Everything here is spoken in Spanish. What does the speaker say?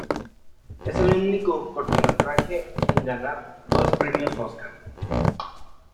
Es el único cortometraje en ganar dos Premios Óscar.